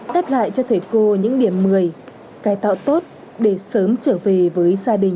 đáp lại cho thầy cô những điểm một mươi cài tạo tốt để sớm trở về với gia đình